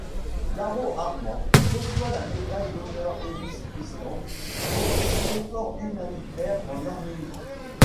Garo Armen reçoit la médaille d'honneur Ellis Island pour ses efforts humanitaires en Arménie.